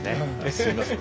すいません。